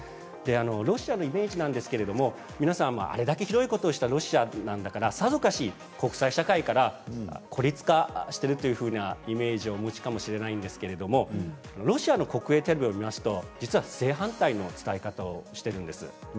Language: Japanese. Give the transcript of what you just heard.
ロシアのイメージなんですけれども皆さんはあれだけひどいことをしたロシアなんだから、さぞかし国際社会から孤立化しているというイメージをお持ちかもしれませんがロシアの国営テレビを見ますと実は正反対の伝え方をしているんです。